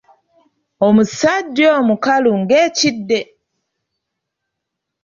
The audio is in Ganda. Omusajja oyo mukalu ng'kide.